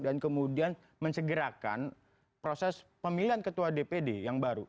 dan kemudian mensegerakan proses pemilihan ketua dpd yang baru